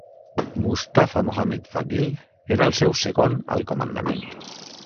Mustafa Mohamed Fadhil era el seu segon al comandament.